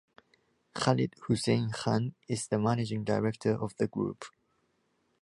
Khalid Hussain Khan is the Managing Director of the group.